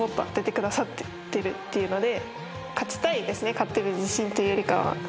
勝てる自信というよりかは。